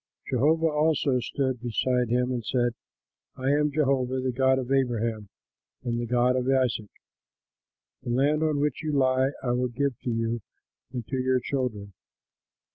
Jehovah also stood beside him and said, "I am Jehovah, the God of Abraham and the God of Isaac. The land on which you lie I will give to you and to your children.